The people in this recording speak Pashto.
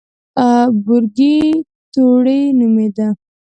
بورګۍ توړۍ نومېده.